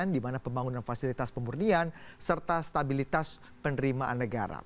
dimana pembangunan fasilitas pemurnian serta stabilitas penerimaan negara